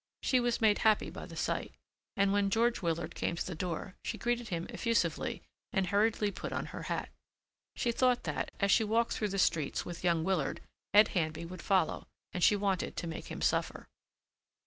She was made happy by the sight, and when George Willard came to the door she greeted him effusively and hurriedly put on her hat. She thought that, as she walked through the streets with young Willard, Ed Handby would follow and she wanted to make him suffer.